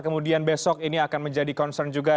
kemudian besok ini akan menjadi concern juga